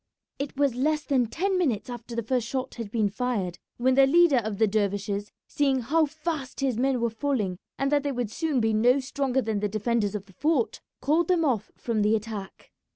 It was less than ten minutes after the first shot had been fired when the leader of the dervishes, seeing how fast his men were falling and that they would soon be no stronger than the defenders of the fort, called them off from the attack.